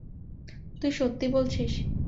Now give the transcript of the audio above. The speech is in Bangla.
তুই সত্যি বলছিস?